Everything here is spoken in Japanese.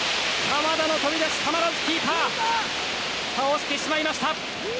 鎌田の飛び出し、たまらずキーパーが倒してしまった。